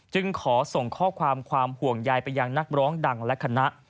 ขอส่งข้อความความห่วงใยไปยังนักร้องดังและคณะ